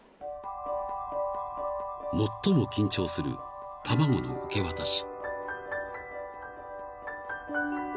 ［最も緊張する卵の受け渡し］